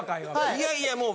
いやいやもう。